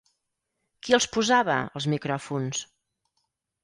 Qui els posava, els micròfons?